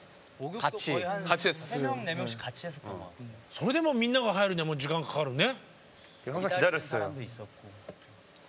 それでもみんなが入るには時間かかるね？